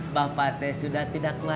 iya pak sabar atuh